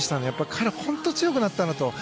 彼は本当に強くなったなと。